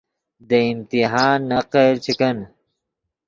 دے امتحان نقل چے کن